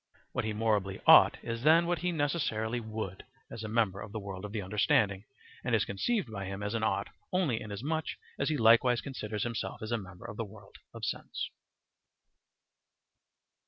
What he morally "ought" is then what he necessarily "would," as a member of the world of the understanding, and is conceived by him as an "ought" only inasmuch as he likewise considers himself as a member of the world of sense.